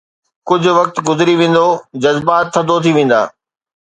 ڪجهه وقت گذري ويندو، جذبات ٿڌو ٿي ويندا.